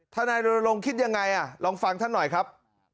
นายรณรงค์คิดยังไงลองฟังท่านหน่อยครับ